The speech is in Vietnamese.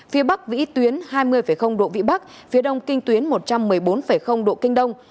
phía bắc vĩ tuyến hai mươi độ vĩ bắc phía đông kinh tuyến một trăm một mươi bốn độ kinh đông